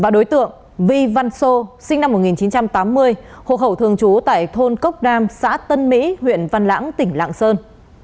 đối tượng vi văn sô sinh năm một nghìn chín trăm tám mươi hộ khẩu thường trú tại thôn cốc đam xã tân mỹ huyện văn lãng tỉnh lạng sơn